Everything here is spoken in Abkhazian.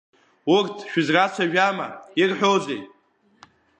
Урҭ шәызрацәажәама, ирҳәозеи?